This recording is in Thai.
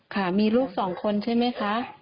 ค่ะมีลูกสองคนใช่ไหมคะ